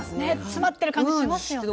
詰まってる感じしますよね。